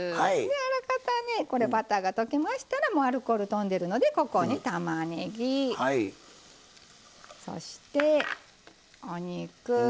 あらかたねバターが溶けましたらもうアルコールとんでるのでここにたまねぎそしてお肉。